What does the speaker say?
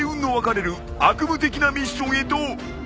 悪夢的なミッションへと変更だ。